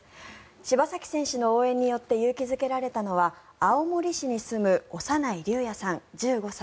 柴崎選手の応援によって勇気付けられたのは青森市に住む小山内龍弥さん、１５歳。